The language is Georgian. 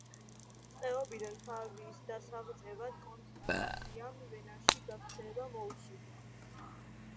ტყვეობიდან თავის დასაღწევად კონსტანსიამ ვენაში გაქცევა მოისურვა.